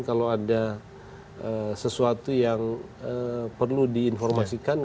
kalau ada sesuatu yang perlu diinformasikan